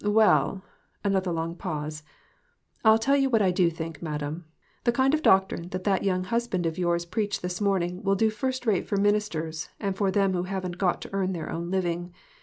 "Well" another long pause "I'll tell you what I do think, madam; the kind of doctrine that that young husband of yours preached this morning will do first rate for ministers, and for them who haven't got to earn their own living.